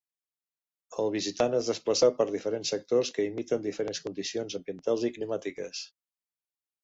El visitant es desplaça per diferents sectors que imiten diferents condicions ambientals i climàtiques.